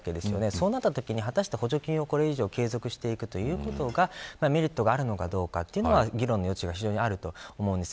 そうなったときに、果たして補助金をこれ以上継続するということにメリットがあるのかどうかは議論の余地が非常にあると思うんですよ。